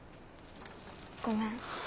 ごめん。